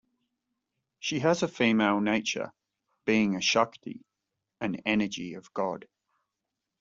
She has a female nature, being a shakti, an energy of God.